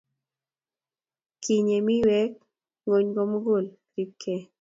kinyei mwekik ng'ony ko mugul, ribgei